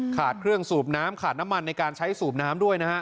เครื่องสูบน้ำขาดน้ำมันในการใช้สูบน้ำด้วยนะฮะ